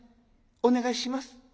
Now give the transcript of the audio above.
お願いします